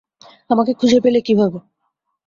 আমাকে খুঁজে পেলে কীভাবে?